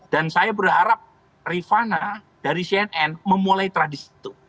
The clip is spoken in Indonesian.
dan saya berharap rivana dari cnn memulai tradisi itu